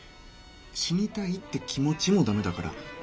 死にたいって気持ちも駄目だから。